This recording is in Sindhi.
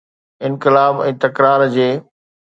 انقلاب ۽ تڪرار جي.